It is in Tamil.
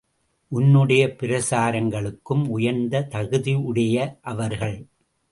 உன்னுடைய பிரசாரங்களுக்கும் உயர்ந்த தகுதியுடைய அவர்கள்.